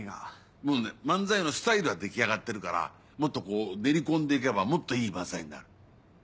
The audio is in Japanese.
もうね漫才のスタイルは出来上がってるからもっと練り込んでいけばもっといい漫才になる。